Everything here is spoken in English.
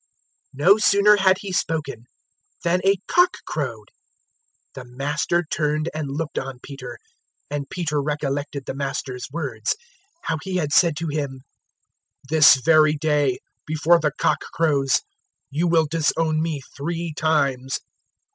No sooner had he spoken than a cock crowed. 022:061 The Master turned and looked on Peter; and Peter recollected the Master's words, how He had said to him, "This very day, before the cock crows, you will disown me three times."